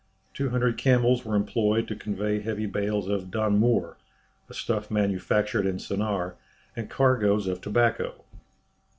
Two hundred camels were employed to convey heavy bales of "danmour," a stuff manufactured in Sennaar, and cargoes of tobacco.